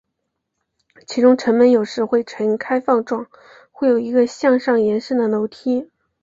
其中城门有时会呈开放状或有一个向上延伸的楼梯。